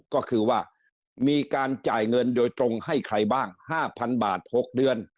ก็คือว่ามีการจ่ายเงินโดยตรงให้ใครบ้าง๕๐๐๐บาท๖เดือน